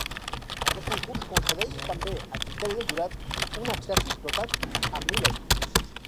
Aquest concurs concedeix també, a criteri del jurat, un accèssit dotat amb mil euros.